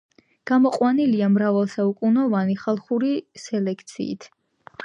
გამოყვანილია მრავალსაუკუნოვანი ხალხური სელექციით.